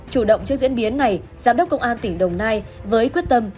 chủ động trước diễn biến này giám đốc công an tỉnh đồng nai với quyết tâm